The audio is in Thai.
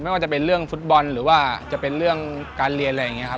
ว่าจะเป็นเรื่องฟุตบอลหรือว่าจะเป็นเรื่องการเรียนอะไรอย่างนี้ครับ